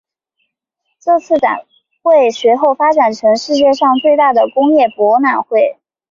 这次展会随后发展成世界上最大的工业博览会。